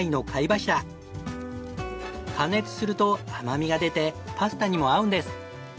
加熱すると甘味が出てパスタにも合うんです。